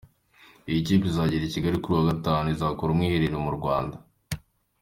Iyi kipe izagera i Kigali kuri uyu wa Gatanu izakorera umwiherero mu Rwanda.